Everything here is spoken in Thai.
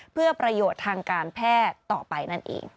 เพื่อประโยชน์ทางการแพทย์ต่อไปนั่นเอง